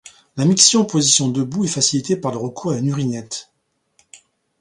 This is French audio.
La miction en position debout est facilitée par le recours à une urinette.